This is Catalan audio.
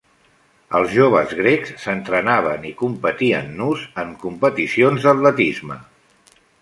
Els joves grecs s'entrenaven i competien nus en competicions d'atletisme.